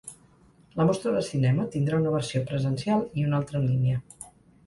La mostra de cinema tindrà una versió presencial i una altra en línia.